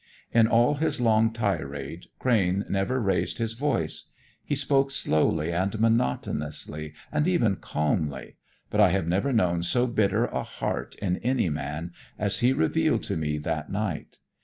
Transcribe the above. In all his long tirade, Crane never raised his voice; he spoke slowly and monotonously and even calmly, but I have never known so bitter a heart in any man as he revealed to me that night.